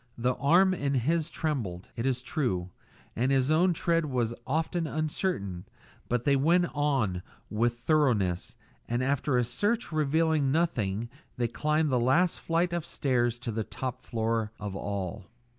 The arm in his trembled, it is true, and his own tread was often uncertain, but they went on with thoroughness, and after a search revealing nothing they climbed the last flight of stairs to the top floor of all.